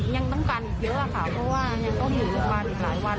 ยังต้องการอีกเยอะค่ะเพราะว่ายังต้องอยู่โรงพยาบาลอีกหลายวัน